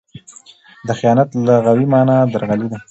د خیانت لغوي مانا؛ درغلي ده.